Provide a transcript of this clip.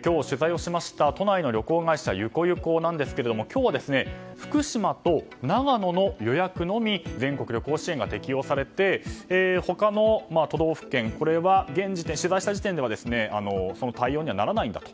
今日、取材をしました都内の旅行会社ゆこゆこですが今日は、福島と長野の予約のみ全国旅行支援が適用されて他の都道府県は取材した時点ではその対応にはならないんだと。